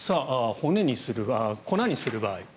粉にする場合。